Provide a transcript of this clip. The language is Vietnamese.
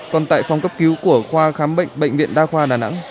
còn tại phòng cấp cứu của khoa khám bệnh bệnh viện đa khoa đà nẵng